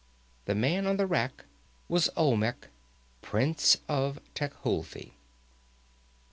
The man on the rack was Olmec, prince of Tecuhltli.